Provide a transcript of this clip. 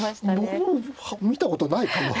僕も見たことないかも。